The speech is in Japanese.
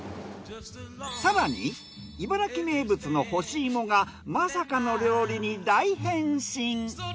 更に茨城名物の干し芋がまさかの料理に大変身。